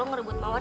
iya ngerebut mawar